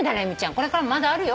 これからもまだあるよ。